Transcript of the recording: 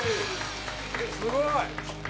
すごい